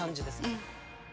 うん。